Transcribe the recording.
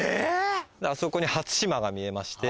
あそこに初島が見えまして。